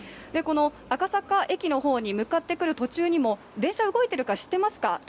赤坂駅の方に向かってくる途中にも電車は動いているか知っていますか？と